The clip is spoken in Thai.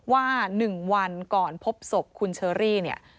ว่า๑วันก่อนพบศพคุณเชอรี่เนี่ย